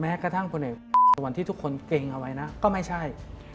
แม้กระทั่งคนไอ้วันที่ทุกคนเกรงเอาไว้นะก็ไม่ใช่